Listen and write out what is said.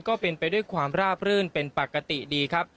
ก็เป็นไปด้วยความราบรื่นเป็นปกติดีครับ